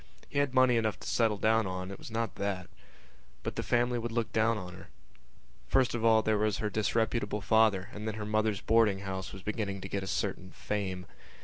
He had money enough to settle down on; it was not that. But the family would look down on her. First of all there was her disreputable father and then her mother's boarding house was beginning to get a certain fame.